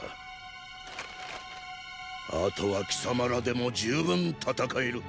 あとは貴様らでも十分戦える。